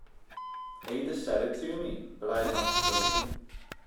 Ada said it to me, but I had not spoken.